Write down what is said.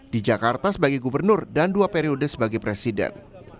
di jakarta sebagai gubernur dan dua periode sebagai presiden